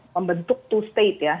membentuk two state ya